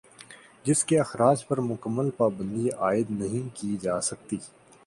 جس کے اخراج پر مکمل پابندی عائد نہیں کی جاسکتی